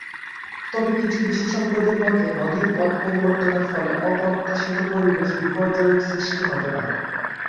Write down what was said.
তবে কিছু বিশেষজ্ঞের মতে নদীর পথ পরিবর্তনের ফলে অপ্রত্যাশিত পরিবেশ বিপর্যয়ের সৃষ্টি হতে পারে।